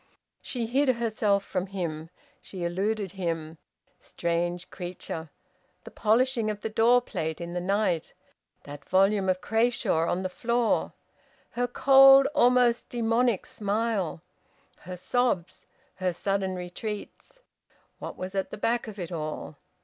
She hid herself from him. She eluded him... Strange creature! The polishing of the door plate in the night! That volume of Crashaw on the floor! Her cold, almost daemonic smile! Her sobs! Her sudden retreats! What was at the back of it all?